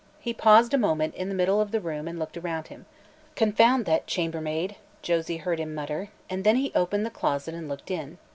He paused a moment in the middle of the room and looked around him. "Confound that chambermaid!" Josie heard him mutter, and then he opened the closet door and looked in.